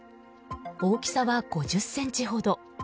大きさは５０ｃｍほど。